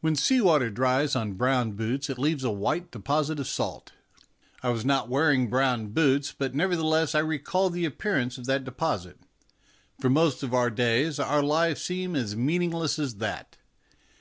When sea water dries on brown boots it leaves a white deposit of salt ; I was not wearing brown boots, but, nevertheless, I recalled the ap pearance of that deposit. For most of our days our lives seem as meaningless as that.